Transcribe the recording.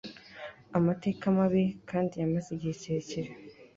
Amateka mabi kandi yamaze igihe kirekire